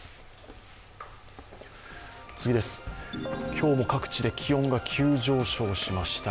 今日も各地で気温が急上昇しました。